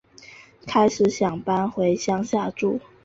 开始想搬回乡下住